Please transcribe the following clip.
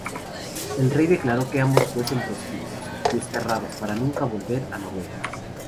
El rey declaró que ambos fuesen proscritos, desterrados para nunca más volver a Noruega.